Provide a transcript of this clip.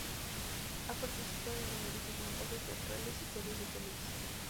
Ha participado en numerosos montajes teatrales y series de televisión.